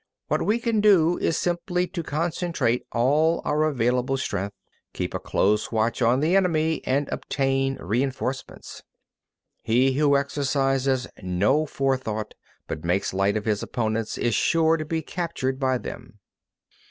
What we can do is simply to concentrate all our available strength, keep a close watch on the enemy, and obtain reinforcements. 41. He who exercises no forethought but makes light of his opponents is sure to be captured by them.